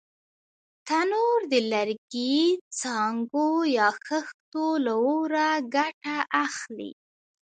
تنور د لرګي، څانګو یا خښتو له اوره ګټه اخلي